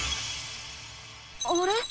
あれ？